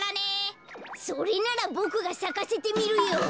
それならボクがさかせてみるよ。